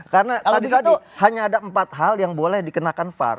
karena tadi tadi hanya ada empat hal yang boleh dikenakan var